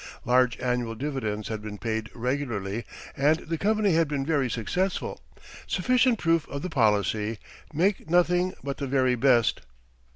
Large annual dividends had been paid regularly and the company had been very successful sufficient proof of the policy: "Make nothing but the very best."